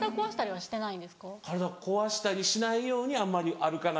はい。